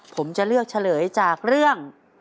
ผมจะเลือกเฉลยจากเรื่อง